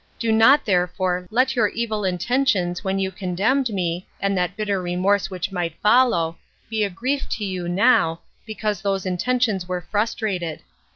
Do not, therefore, let your evil intentions, when you condemned me, and that bitter remorse which might follow, be a grief to you now, because those intentions were frustrated.